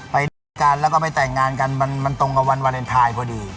ไปด้วยกันแล้วก็ไปแต่งงานกันมันตรงกับวันวาเลนไทยพอดี